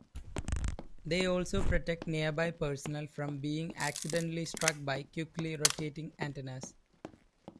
They also protect nearby personnel from being accidentally struck by quickly rotating antennas.